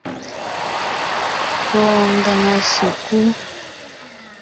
Pɔɔn ngaŋa sèkú .